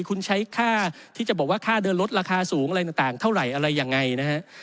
คุณใช้ค่าที่จะบอกว่าค่าเดินรถราคาสูงอะไรต่างเท่าไหร่อะไรยังไงนะฮะ